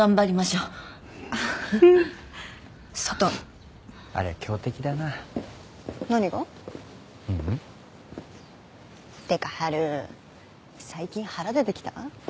ううん。ってか春最近腹出てきた？